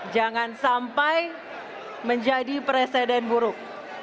jangan sampai menjadi presiden buruk